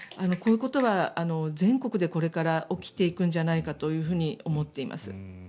こういうことは全国でこれから起きていくんじゃないかと思っています。